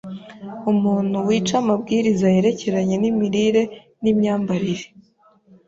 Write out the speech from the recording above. Umuntu wica amabwiriza yerekeranye n’imirire n’imyambarire,